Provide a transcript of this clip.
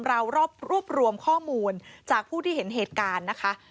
เรารวบรวมข้อมูลจากผู้ที่เห็นเหตุการณ์นะคะ